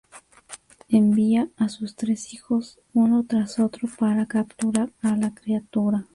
Envía a sus tres hijos, uno tras otro, para capturar a la criatura.